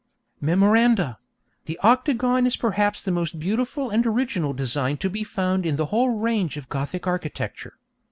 Memoranda: _The Octagon is perhaps the most beautiful and original design to be found in the whole range of Gothic architecture.